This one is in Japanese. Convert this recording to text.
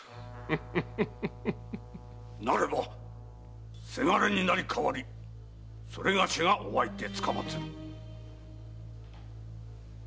なればせがれに成り代わりそれがしがお相手つかまつる！